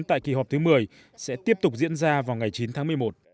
tại kỳ họp thứ một mươi sẽ tiếp tục diễn ra vào ngày chín tháng một mươi một